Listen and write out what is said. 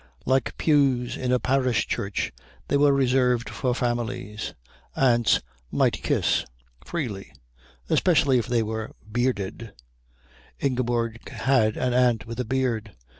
Like pews in a parish church, they were reserved for families. Aunts might kiss: freely. Especially if they were bearded Ingeborg had an aunt with a beard.